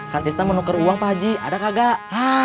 kak tista mau nuker uang pak haji ada kagak